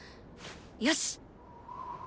よし！